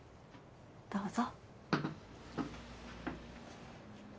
どうぞ。